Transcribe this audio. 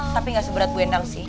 tapi gak seberat bu endang sih